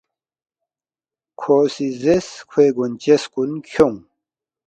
کھو سی زیرس، ”کھوے گونچس کُن کھیونگ